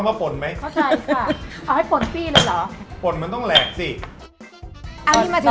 หมดเลยน้้ำก็ได้คมหอม